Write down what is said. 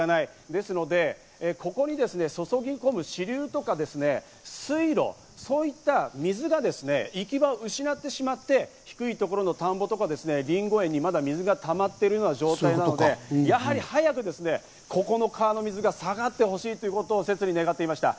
ですので、ここに注ぎ込む支流とか、水路、そういった水が行き場を失ってしまって、低いところの田んぼとか、りんご園にまだ水がたまっているような状況でやはり早くここの川の水が下がってほしいということを切に願っていました。